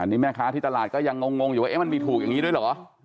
นี่แม่ค้าที่ตลาดก็ยังงงอยู่ว่ามันมีถูกอย่างนี้ด้วยเหรอ